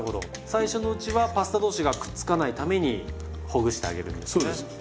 最初のうちはパスタ同士がくっつかないためにほぐしてあげるんですね。